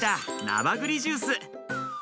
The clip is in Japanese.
ナバグリジュース。